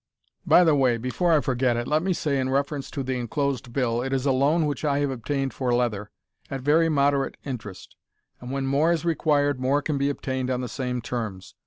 "By the way, before I forget it, let me say, in reference to the enclosed bill, it is a loan which I have obtained for Leather, at very moderate interest, and when more is required more can be obtained on the same terms.